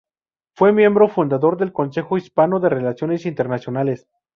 Fue miembro fundador del Consejo Hispano de Relaciones Internacionales.